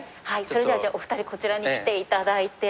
それではじゃあお二人こちらに来て頂いて。